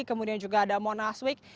kemudian juga ada monas week